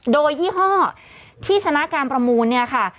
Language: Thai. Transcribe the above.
โดยยี่ห้อที่ชนะการประมูล